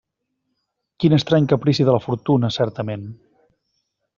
Quin estrany caprici de la fortuna, certament!